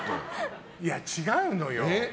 いや、違うのよ。